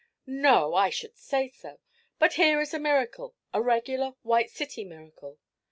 'No; I should say so! But here is a miracle, a regular White City miracle.